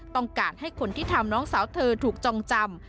ต้องการให้คนที่ทำน้องสาวเธอถูกจองจำ